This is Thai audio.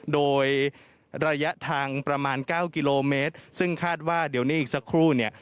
โดยระยะทางประมาณ๙กิโลเมตรซึ่งคาดว่าเดี๋ยวนี้อีกสักครู่เนี่ย